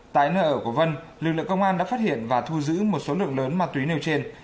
tại nơi ở của vân lực lượng công an đã phát hiện và thu giữ một số lượng lớn ma túy nêu trên